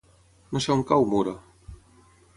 No sé on cau Muro.